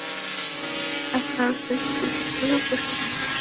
আপনার উত্তেজনা একটু প্রশমিত করলে ভালো হয়।